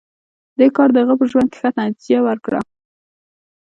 دې کار د هغه په ژوند کې ښه نتېجه ورکړه